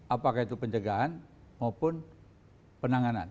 apakah itu pencegahan maupun penanganan